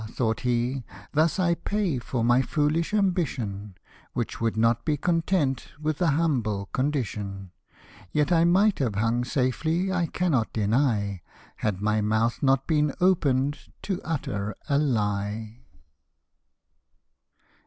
'"thought he, "thus I pay for my foolish ambi tion, Which would not be content with a humble condition j Yet I might have hung safely, I cannot deny, Had my mouth not been open'd to utter a lie."